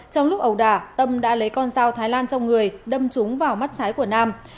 trong lúc ẩu đà tâm đã lấy con dao thái lan trong người đâm trúng vào mắt trái của nam